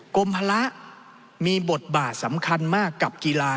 กรมภาระมีบทบาทสำคัญมากกับกีฬา